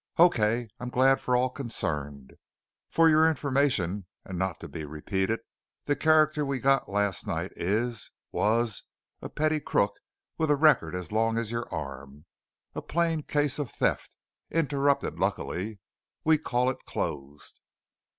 "Okay. I'm glad for all concerned. For your information and not to be repeated, the character we got last night is was a petty crook with a record as long as your arm. A plain case of theft. Interrupted luckily. We call it closed."